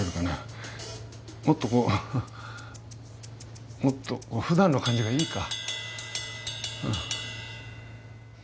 もっとこうもっとふだんの感じがいいか。